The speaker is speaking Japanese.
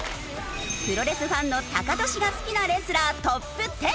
プロレスファンのタカトシが好きなレスラートップ１０。